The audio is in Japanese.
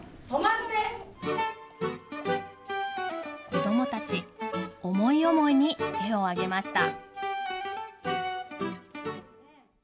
子どもたち思い思いに手をあげました。